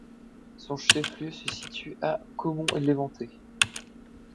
Son chef-lieu se situe à Caumont-l'Éventé.